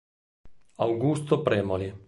Augusto Premoli